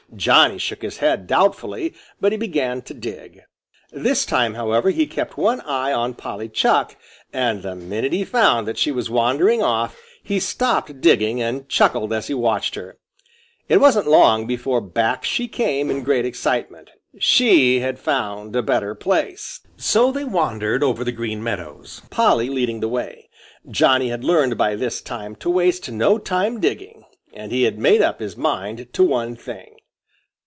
Johnny shook his head doubtfully, but he began to dig. This time, however, he kept one eye on Polly Chuck, and the minute he found that she was wandering off, he stopped digging and chuckled as he watched her. It wasn't long before back she came in great excitement. She had found a better place! So they wandered over the Green Meadows, Polly leading the way. Johnny had learned by this time to waste no time digging. And he had made up his mind to one thing.